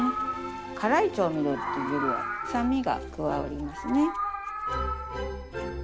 辛い調味料っていうよりは酸味が加わりますね。